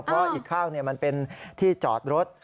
เพราะอีกข้างมันเป็นที่จอดรถ